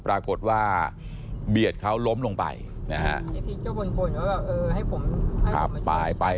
ปรากฏว่าเบียดเขาล้มลงไป